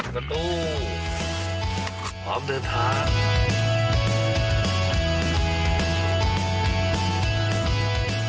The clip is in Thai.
ประตูพร้อมเดินทาง